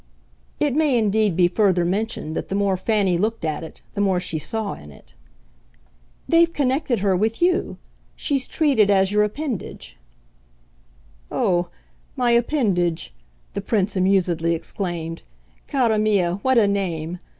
It may indeed be further mentioned that the more Fanny looked at it the more she saw in it. "They've connected her with you she's treated as your appendage." "Oh, my 'appendage,'" the Prince amusedly exclaimed "cara mia, what a name!